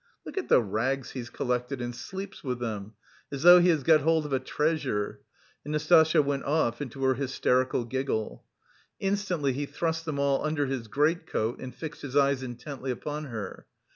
"Look at the rags he's collected and sleeps with them, as though he has got hold of a treasure..." And Nastasya went off into her hysterical giggle. Instantly he thrust them all under his great coat and fixed his eyes intently upon her.